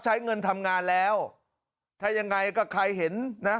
ใช้เงินทำงานแล้วถ้ายังไงก็ใครเห็นนะ